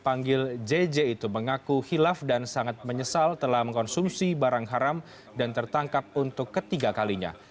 panggil jj itu mengaku hilaf dan sangat menyesal telah mengkonsumsi barang haram dan tertangkap untuk ketiga kalinya